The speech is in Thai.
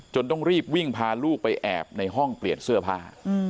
ต้องรีบวิ่งพาลูกไปแอบในห้องเปลี่ยนเสื้อผ้า